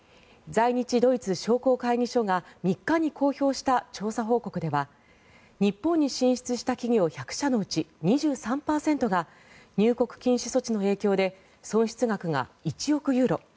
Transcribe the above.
在日ドイツ商工会議所が３日に公表した調査報告では日本に進出した企業１００社のうち２３％が入国禁止措置の影響で損失額が１億ユーロ